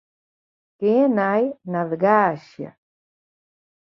Gean nei navigaasje.